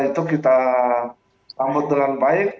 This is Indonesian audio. dan itu kita anggap dengan baik